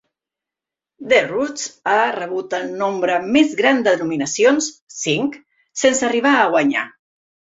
The Roots ha rebut el nombre més gran de nominacions (cinc) sense arribar a guanyar.